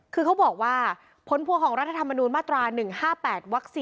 คือเขาบอกว่าผลพวงของรัฐธรรมนูญมาตรา๑๕๘วัก๔